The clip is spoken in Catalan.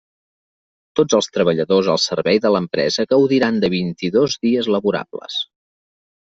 Tots els treballadors al servei de l'empresa gaudiran de vint-i-dos dies laborables.